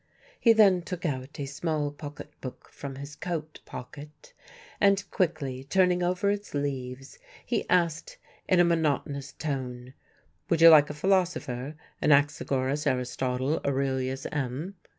He then took out a small pocket book from his coat pocket, and quickly turning over its leaves he asked in a monotonous tone: "Would you like a Philosopher? Anaxagoras, Aristotle, Aurelius, M.?"